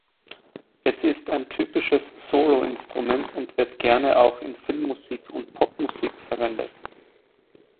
Es ist ein typisches Soloinstrument und wird gerne auch in Filmmusik und Popmusik verwendet.